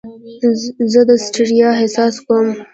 زه د ستړیا احساس کوم.